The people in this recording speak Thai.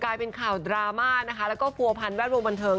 กลายเป็นข่าวดราม่าและก็ภูราพนแวดโวบันเทิง